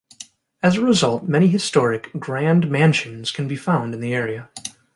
As a result, many historic, grand mansions can be found in the area.